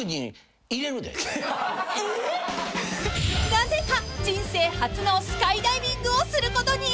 ［なぜか人生初のスカイダイビングをすることに！？］